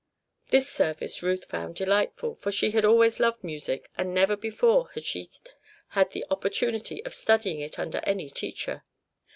This service Ruth found delightful, for she had always loved music and never before had she had the opportunity of studying it under any teacher.